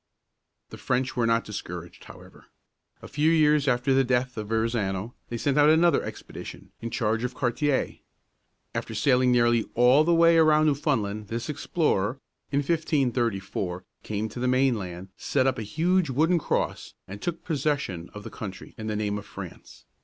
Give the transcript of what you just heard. The French were not discouraged, however. A few years after the death of Verrazano they sent out another expedition, in charge of Cartier (car tyā´). After sailing nearly all the way around Newfoundland, this explorer, in 1534, came to the mainland, set up a huge wooden cross, and took possession of the country, in the name of France.